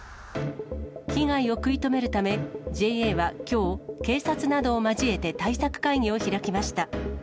被害を食い止めるため、ＪＡはきょう、警察などを交えて対策会議を開きました。